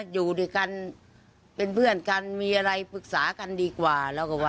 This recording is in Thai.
อยู่ด้วยกันเป็นเพื่อนกันมีอะไรปรึกษากันดีกว่าเราก็ว่า